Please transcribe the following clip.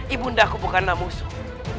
ibu nda aku bukanlah musuh